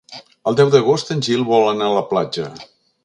El deu d'agost en Gil vol anar a la platja.